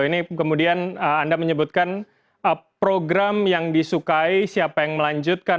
ini kemudian anda menyebutkan program yang disukai siapa yang melanjutkan